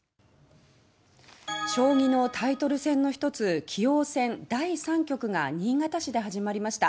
将棋のタイトル戦の一つ「棋王戦」第３局が新潟市で始まりました。